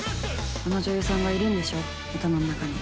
あの女優さんがいるんでしょ頭の中に。